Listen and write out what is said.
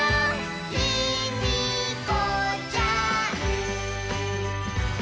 「ヒミコちゃん」